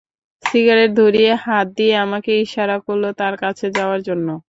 Cigarette ধরিয়ে হাত দিয়ে আমাকে ইশারা করল তার কাছে যাওয়ার জন্য।